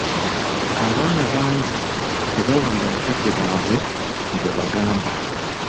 Abaana bangi tebawulira bakadde baabwe bye babagamba.